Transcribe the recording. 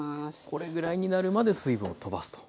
これぐらいになるまで水分をとばすと。